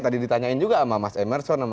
tadi ditanyain juga sama mas emerson